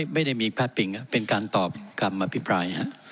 ไม่ได้มีพลาดปิงเป็นการตอบคำอภิปราย